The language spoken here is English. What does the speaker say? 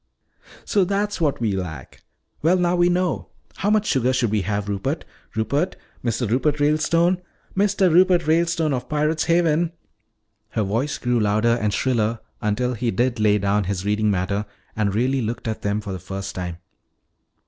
"So that's what we lack. Well, now we know. How much sugar should we have, Rupert? Rupert Mr. Rupert Ralestone Mr. Rupert Ralestone of Pirate's Haven!" Her voice grew louder and shriller until he did lay down his reading matter and really looked at them for the first time.